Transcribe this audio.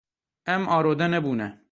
Em arode nebûne.